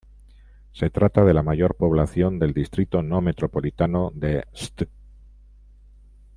Se trata de la mayor población del distrito no metropolitano de St.